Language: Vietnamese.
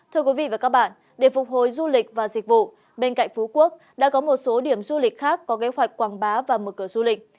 thưa quý vị và các bạn để phục hồi du lịch và dịch vụ bên cạnh phú quốc đã có một số điểm du lịch khác có kế hoạch quảng bá và mở cửa du lịch